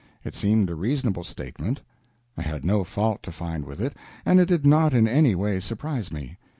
It seemed a reasonable statement; I had no fault to find with it, and it did not in any way surprise me.